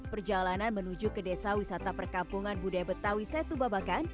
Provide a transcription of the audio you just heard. perjalanan menuju ke desa wisata perkampungan budaya betawi setubabakan